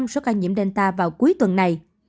một mươi số ca nhiễm delta vào cuối tuần này